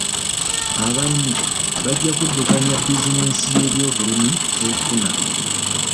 Abalimi bajja kuddukanya bizinensi y'ebyobulimi efuna.